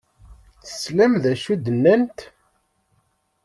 Teslam d acu i d-nnant?